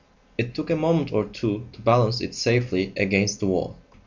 It took a moment or two to balance it safely against the wall.